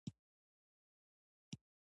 عطایي د ادب په برخه کې نوښتګر و.